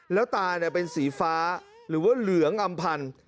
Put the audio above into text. แล้วตาเป็นสีฟ้าหรือว่าเหลืองอำพันธ์